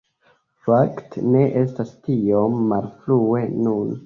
Fakte, ne estas tiom malfrue nun